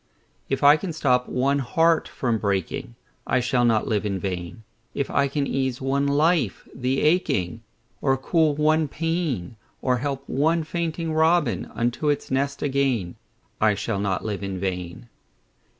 If I can stop one heart from breaking, I shall not live in vain; If I can ease one life the aching, Or cool one pain, Or help one fainting robin Unto his nest again, I shall not live in vain.